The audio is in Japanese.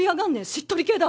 しっとり系だ。